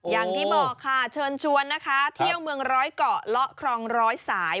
อย่างที่บอกค่ะเชิญชวนนะคะเที่ยวเมืองร้อยเกาะเลาะครองร้อยสาย